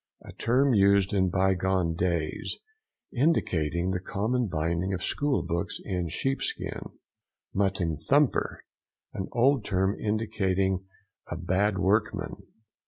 —A term used in bygone days, indicating the common binding of school books in sheep skin. MUTTON THUMPER.—An old term indicating a bad workman.